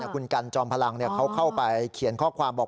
คุณกันจอมพลังเขาเข้าไปเขียนข้อความบอก